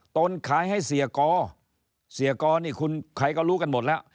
ตนขายให้เสียกอเสียกอนี่คุณใครก็รู้กันหมดแล้ว